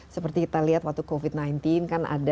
seperti kita lihat waktu covid sembilan belas kan ada